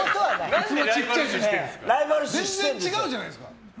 全然違うじゃないですか。